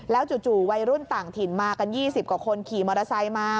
จู่วัยรุ่นต่างถิ่นมากัน๒๐กว่าคนขี่มอเตอร์ไซค์มา